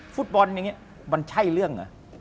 ฟุตบอลอย่างนี้มันใช่เรื่องเหรอ